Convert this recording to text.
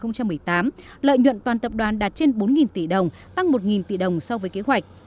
năm hai nghìn một mươi tám lợi nhuận toàn tập đoàn đạt trên bốn tỷ đồng tăng một tỷ đồng so với kế hoạch